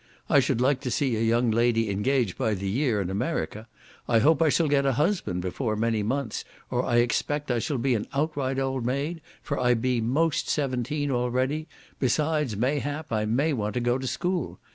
I should like to see a young lady engage by the year in America! I hope I shall get a husband before many months, or I expect I shall be an outright old maid, for I be most seventeen already; besides, mayhap I may want to go to school.